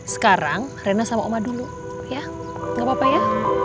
sekarang rena sama oma dulu ya gak apa apa ya